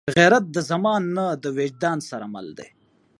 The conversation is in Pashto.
غیرت د زمان نه، د وجدان سره مل دی